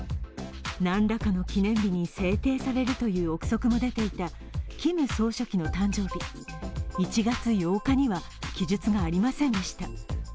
何らかの記念日に制定されるという臆測も出ていた、キム総書記の誕生日、１月８日には記述がありませんでした。